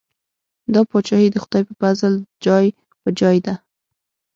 دا پاچاهي د خدای په پزل جای په جای ده.